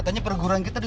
saya cabut bentar ya be